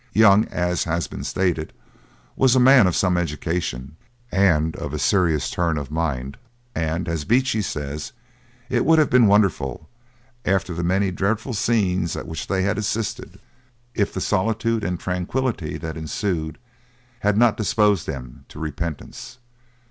Young, as has been stated, was a man of some education, and of a serious turn of mind, and, as Beechey says, it would have been wonderful, after the many dreadful scenes at which they had assisted, if the solitude and tranquillity that ensued had not disposed them to repentance.